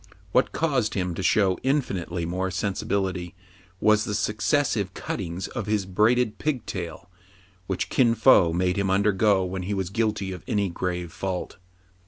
What caused him to show infinitely more sensibility was the successive cuttings of his braided pigtail, which Kin Fo made him undergo when he was guilty of any grave fault.